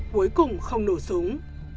cuối cùng không nổ súng